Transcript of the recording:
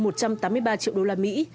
một trăm tám mươi ba triệu đô la mỹ